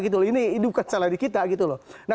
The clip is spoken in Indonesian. ini bukan salah di kita